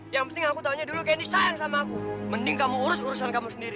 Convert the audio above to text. yang penting aku tanya dulu kenny sayang sama aku mending kamu urus urusan kamu sendiri